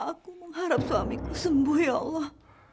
aku mengharap suamiku sembuh ya allah